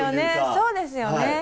そうですよね。